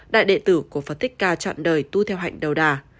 đại đệ tử của phật thích ca chọn đời tu theo hành đầu đà